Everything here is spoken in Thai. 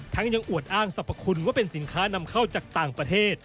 ยังอวดอ้างสรรพคุณว่าเป็นสินค้านำเข้าจากต่างประเทศ